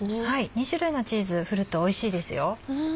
２種類のチーズ振るとおいしいですよ。